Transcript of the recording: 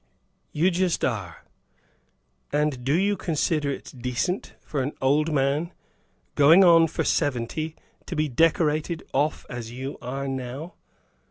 "You just are. And do you consider it decent for an old man, going on for seventy, to be decorated off as you are now?